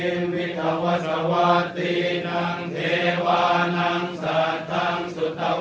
ตรงนั้นกับเจ้าหน้าที่นะครับอยู่ขออยู่กัน